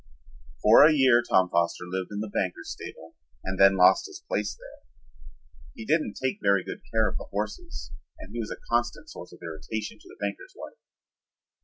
For a year Tom Foster lived in the banker's stable and then lost his place there. He didn't take very good care of the horses and he was a constant source of irritation to the banker's wife.